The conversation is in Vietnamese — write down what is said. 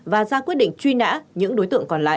và ra quyết định truy nã những đối tượng còn lại